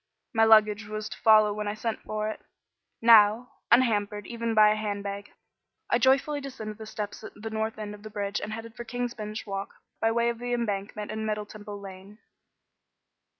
My luggage was to follow when I sent for it. Now, unhampered even by a hand bag, I joyfully descended the steps at the north end of the bridge and headed for King's Bench Walk by way of the Embankment and Middle Temple Lane.